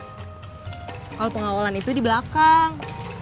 kalau pengawalan itu di belakang